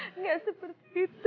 tidak seperti itu